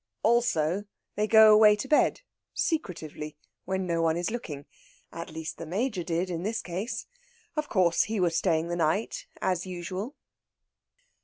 Also, they go away to bed, secretively, when no one is looking at least, the Major did in this case. Of course, he was staying the night, as usual.